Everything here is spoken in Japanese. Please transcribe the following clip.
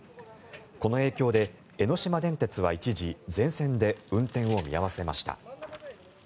この影響で江ノ島電鉄は一時、全線で運転を見合わせました。